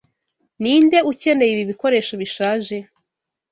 Ninde ukeneye ibi bikoresho bishaje?